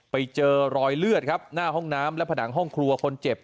ไปเจอรอยเลือดครับหน้าห้องน้ำและผนังห้องครัวคนเจ็บ